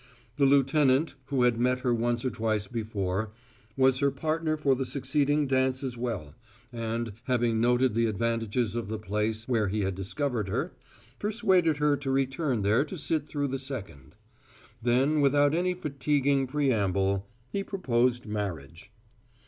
The lieutenant, who had met her once or twice before, was her partner for the succeeding dance as well, and, having noted the advantages of the place where he had discovered her, persuaded her to return there to sit through the second. Then without any fatiguing preamble, he proposed marriage.